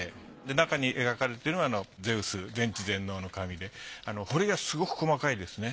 中に描かれてるのはゼウス全知全能の神で彫りがすごく細かいですね。